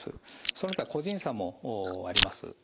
その他個人差もあります。